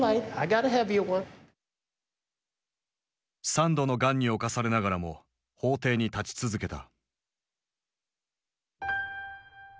３度のがんに侵されながらも法廷に立ち続けた。